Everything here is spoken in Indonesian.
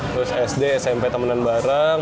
terus sd smp temenan bareng